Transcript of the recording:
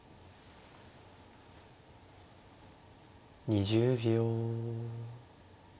２０秒。